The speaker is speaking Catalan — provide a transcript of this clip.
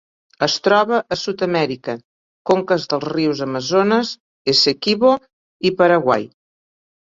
Es troba a Sud-amèrica: conques dels rius Amazones, Essequibo i Paraguai.